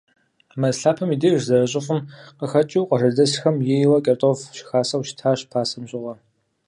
Мэз лъапэм и деж, зэрыщӏыфӏым къыхэкӏыу, къуажэдэсхэм ейуэ кӏэртӏоф щыхасэу щытащ пасэм щыгъуэ.